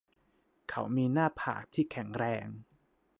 เขามีหน้าผากที่แข็งแรง